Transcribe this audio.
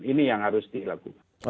ini yang harus dilakukan